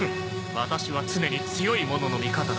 ワタシは常に強い者の味方だ！